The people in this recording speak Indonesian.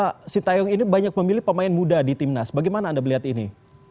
pak sintayong ini banyak memilih pemain muda di timnas bagaimana anda melihat ini